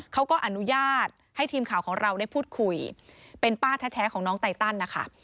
เขาก็อนุญาตให้ทีมข่าวของเราได้พูดคุยเป็นป้าแท้ของน้องไตตันนะคะ